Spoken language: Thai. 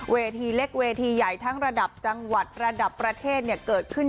เวทีเล็กเวทีใหญ่ทั้งระดับจังหวัดระดับประเทศเกิดขึ้น